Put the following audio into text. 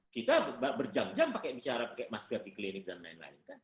kita berjam jam pakai masker di klinik dan lain lain